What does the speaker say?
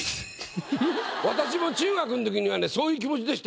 私も中学の時にはねそういう気持ちでしたよ。